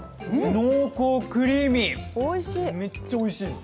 濃厚、クリーミー、めっちゃおいしいです。